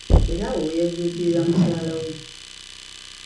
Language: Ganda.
Era awo we yajjuukirira mukyala we.